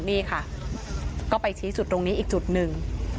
นี่ค่ะก็ไปชี้จุดตรงนี้อีกจุดหนึ่ง